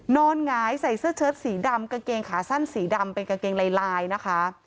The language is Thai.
หงายใส่เสื้อเชิดสีดำกางเกงขาสั้นสีดำเป็นกางเกงลายนะคะ